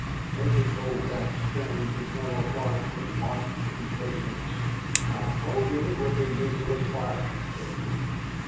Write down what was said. Major Colfax turned to Colonel Clark with marked impatience. "I told you it would be useless, Clark," said he.